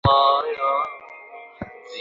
অমন আকাম যেন আর না দেখি।